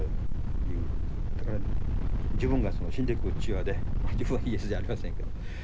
だから自分が死んでいく父親で自分はイエスじゃありませんけど。